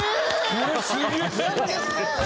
これすげえ！